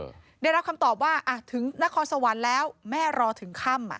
อืมได้รับคำตอบว่าอ่ะถึงนครสวรรค์แล้วแม่รอถึงค่ำอ่ะ